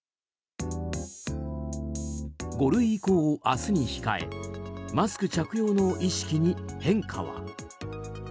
５類移行を明日に控えマスク着用の意識に変化は。